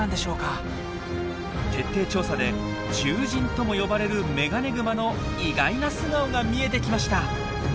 徹底調査で獣人とも呼ばれるメガネグマの意外な素顔が見えてきました。